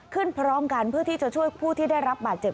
พร้อมกันเพื่อที่จะช่วยผู้ที่ได้รับบาดเจ็บ